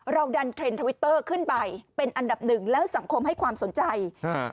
ดันเทรนด์ทวิตเตอร์ขึ้นไปเป็นอันดับหนึ่งแล้วสังคมให้ความสนใจอ่า